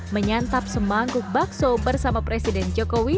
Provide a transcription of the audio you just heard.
menyantap semangkuk bakso bersama presiden jokowi